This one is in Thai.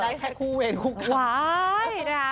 เป็นได้แค่คู่เองคู่กันว้ายนะฮะ